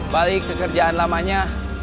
balik ke kerjaan lamanya